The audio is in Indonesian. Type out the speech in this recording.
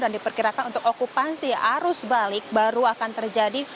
dan diperkirakan untuk okupansi arus balik baru akan terjadi